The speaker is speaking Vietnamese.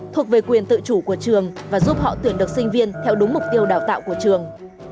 thuộc về quyền tự chủ của trường và giúp họ tuyển được sinh viên theo đúng mục tiêu đào tạo của trường